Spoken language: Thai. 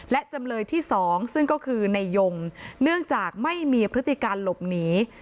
และจำเลยที่๒ซึ่งก็คือในยงเนื่องจากไม่มีพฤติการหลบหนี